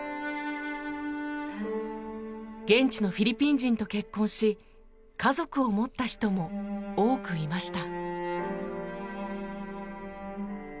現地のフィリピン人と結婚し家族を持った人も多くいました。